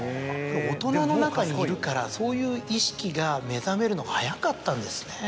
大人の中にいるからそういう意識が目覚めるのが早かったんですね。